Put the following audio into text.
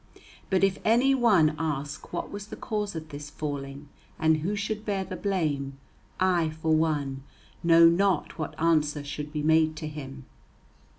But, if any one ask what was the cause of this falling, and who should bear the blame, I, for one, know not what answer should be made to him.